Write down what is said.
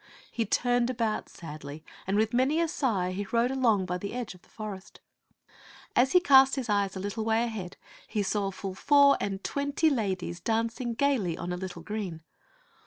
He turned about sadly, and with many a sigh he rode along by the edge of a forest. As he cast his eyes a little way ahead, he saw full four and twenty ladies dancing gayly on a little green.